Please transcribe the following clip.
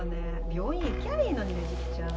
病院行きゃいいのに捻木ちゃん。